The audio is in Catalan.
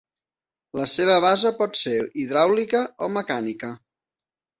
La seva base pot ser hidràulica o mecànica.